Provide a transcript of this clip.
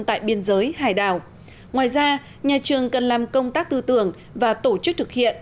tại biên giới hải đảo ngoài ra nhà trường cần làm công tác tư tưởng và tổ chức thực hiện